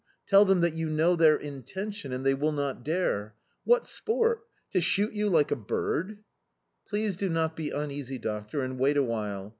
Tell them that you know their intention and they will not dare... What sport! To shoot you like a bird"... "Please do not be uneasy, doctor, and wait awhile...